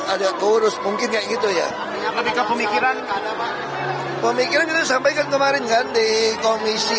ada kurus mungkin kayak gitu ya ketika pemikiran pemikiran kita sampaikan kemarin kan di komisi